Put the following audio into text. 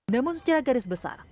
namun secara garis besar